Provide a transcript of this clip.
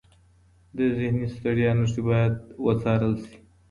د ذهني ستړیا نښې باید وڅارل شي.